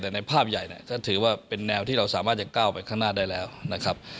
แต่ในภาพใหญ่เนี่ยก็ถือว่าเป็นแนวที่เราสามารถจะก้าวไปข้างหน้าได้แล้วนะครับ